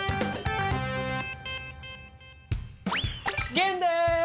玄です！